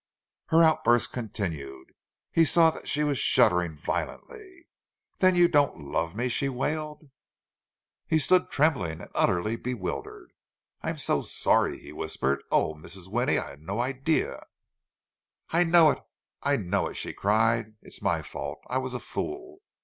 Her outburst continued. He saw that she was shuddering violently. "Then you don't love me!" she wailed. He stood trembling and utterly bewildered. "I'm so sorry!" he whispered. "Oh, Mrs. Winnie—I had no idea—" "I know it! I know it!" she cried. "It's my fault! I was a fool!